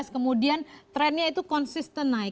kemudian trennya itu konsisten naik